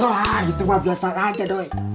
wah itu mah biasa aja doi